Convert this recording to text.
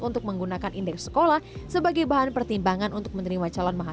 untuk menggunakan indeks sekolah sebagai bahan pertimbangan untuk menerima calon mahasiswa